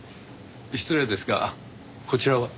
失礼ですがこちらは？